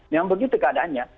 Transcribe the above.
memang begitu keadaannya